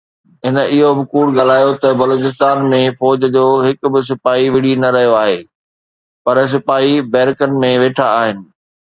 هن اهو به ڪوڙ ڳالهايو آهي ته بلوچستان ۾ فوج جو هڪ به سپاهي نه وڙهي رهيو آهي، پر سپاهي بيرڪن ۾ ويٺا آهن.